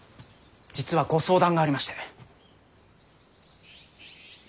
実はご相談がありまして。